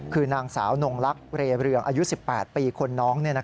คือนางสาวนงลักษณ์เรเรืองอายุ๑๘ปีคนน้อง